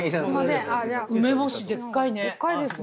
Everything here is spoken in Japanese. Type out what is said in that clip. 梅干しでっかいね。